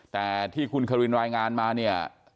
แต่ที่คุณคารินรายงานมาเนี่ย